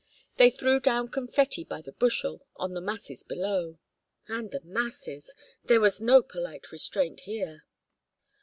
They threw down confetti by the bushel on the masses below. And the masses! There was no polite restraint here.